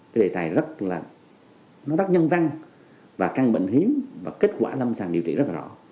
cái đề tài rất là nó rất nhân văn và căn bệnh hiếm và kết quả lâm sàng điều trị rất là rõ